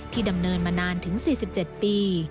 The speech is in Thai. ดำเนินมานานถึง๔๗ปี